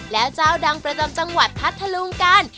แล้วเจ้าดังประจำจังหวัดพัทธลุงกัน